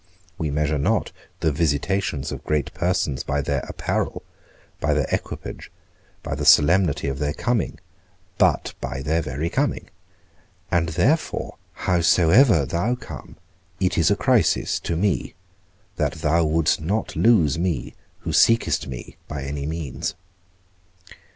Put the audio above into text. We measure not the visitations of great persons by their apparel, by their equipage, by the solemnity of their coming, but by their very coming; and therefore, howsoever thou come, it is a crisis to me, that thou wouldst not lose me who seekest me by any means.